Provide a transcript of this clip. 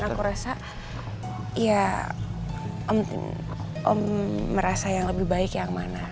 aku rasa ya om merasa yang lebih baik yang mana